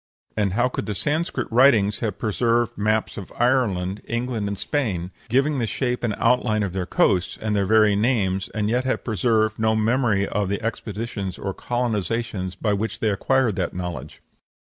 And how could the Sanscrit writings have preserved maps of Ireland, England, and Spain, giving the shape and outline of their coasts, and their very names, and yet have preserved no memory of the expeditions or colonizations by which they acquired that knowledge?